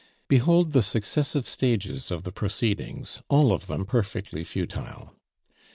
Behold the successive stages of the proceedings, all of them perfectly futile.